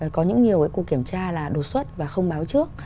có những nhiều cuộc kiểm tra là đột xuất và không báo trước